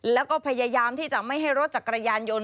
แล้วก็พยายามที่จะไม่ให้รถจักรยานยนต์